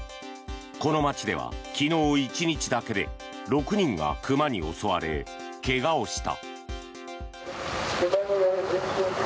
この街では昨日１日だけで６人が熊に襲われ怪我をした。